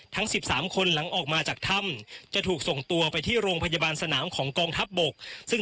ทั้ง๑๓คนหลังออกมาจากถ้ำจะถูกส่งตัวไปที่โรงพยาบาลสนามของกองทัพบกซึ่ง